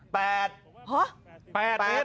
๘เมตรเหรอ